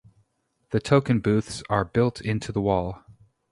The token booths are built into the wall.